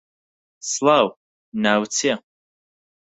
سڵاو، ناوت چییە؟